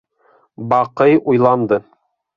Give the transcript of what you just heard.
Баҡый уйланды.